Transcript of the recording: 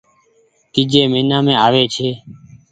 تيجي مهينا مينٚ آوي ڇي